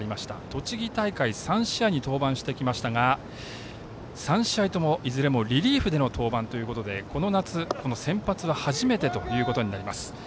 栃木大会３試合に登板してきましたが３試合とも、いずれもリリーフでの登板ということでこの夏、先発は初めてということになります。